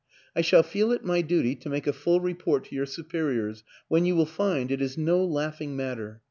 I shall feel it my duty to make a full report to your superiors when you will find it is no laughing matter.